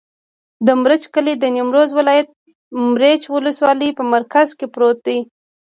د مريچ کلی د نیمروز ولایت، مريچ ولسوالي په مرکز کې پروت دی.